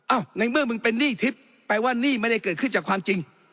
ในเมื่อมึงเป็นหนี้ทิพย์แปลว่าหนี้ไม่ได้เกิดขึ้นจากความจริง